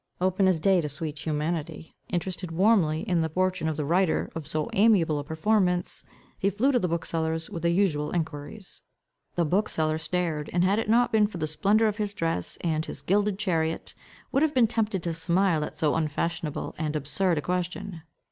Open as day to sweet humanity, interested warmly in the fortune of the writer of so amiable a performance, he flew to his bookseller's with the usual enquiries. The bookseller stared, and had it not been for the splendour of his dress, and his gilded chariot, would have been tempted to smile at so unfashionable and absurd a question.